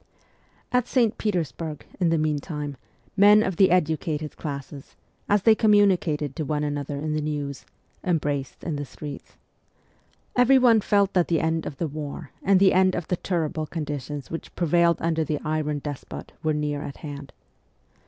At St. Petersburg, in the meantime, men of the educated classes, as they communicated to one another the news, embraced in the streets. Everyone felt that the end of the war and the end of the terrible condi tions which prevailed under the ' iron despot ' were near at hand.